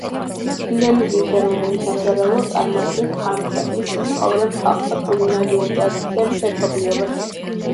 ინდონეზიის ეროვნული სამზარეულო წარმოადგენს ამ ქვეყნის მცხოვრებ ხალხთა კულინარიული ტრადიციების ერთობლიობას.